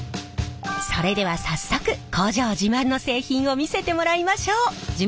それでは早速工場自慢の製品を見せてもらいましょう！